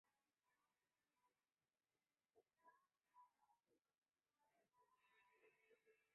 一些用于储存大量的文件或小零件的档案柜也有使用相同的技术。